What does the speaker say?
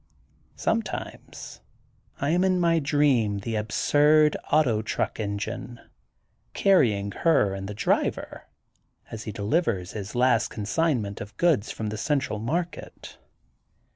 Sometimes I am in my dream the absurd auto truck engine, carrying her and the driver, as he delivers his last con signment of goods from the central market.